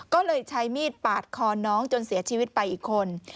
ก็เลยใช้มีดปาดคอน้องจนเสียชีวิตไปอีกคน